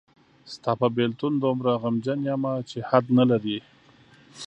ستا په بېلتون دومره غمجن یمه چې حد نلري